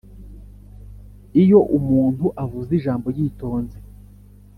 iyo umuntu avuze ijambo yitonze,